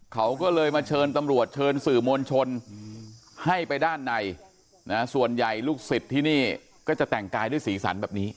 เขาก็เลยมาเชิญตำรวจเชิญสื่อมวลชนให้ไปด้านในส่วนใหญ่ลูกศิษย์ที่นี่ก็จะแต่งกายด้วยสีสันแบบนี้